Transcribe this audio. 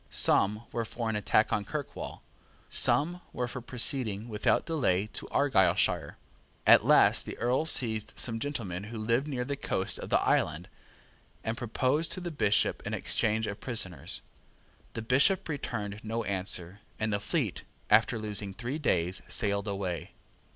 Some were for an attack on Kirkwall. Some were for proceeding without delay to Argyleshire. At last the Earl seized some gentlemen who lived near the coast of the island, and proposed to the Bishop an exchange of prisoners. The Bishop returned no answer; and the fleet, after losing three days, sailed away.